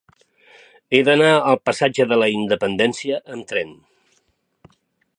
He d'anar al passatge de la Independència amb tren.